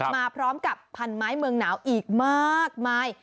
มาพร้อมกับพันไม้เมืองหนาวอีกมากมาย